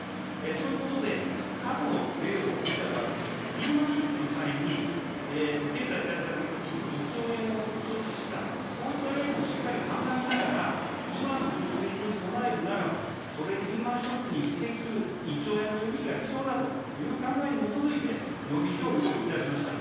そういうことで過去の例を見た場合に、リーマンショックの際に、経済対策予備費１兆円を措置した、こういった例もしっかり鑑みながら、今の情勢に備えるならば、それに、リーマンショックに匹敵する１兆円の予備費が必要だという考えに基づいて、予備費を用意いたしました。